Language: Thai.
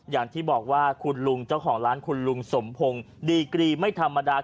อย่างที่บอกว่าคุณลุงเจ้าของร้านคุณลุงสมพงศ์ดีกรีไม่ธรรมดา